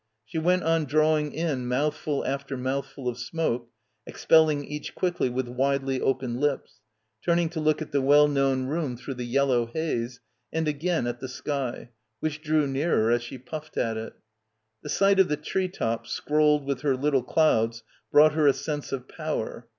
She went on drawing in mouthful after mouthful of smoke, expelling each quickly with widely opened lips, turning to look at the well known room through the yellow haze and again at the sky, which drew nearer as she puffed at it. The sight of the tree tops scrolled with her little clouds brought her a sense of power.